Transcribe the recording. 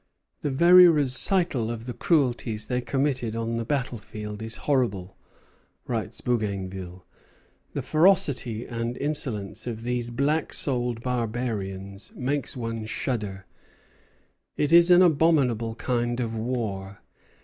"The very recital of the cruelties they committed on the battle field is horrible," writes Bougainville. "The ferocity and insolence of these black souled barbarians makes one shudder. It is an abominable kind of war.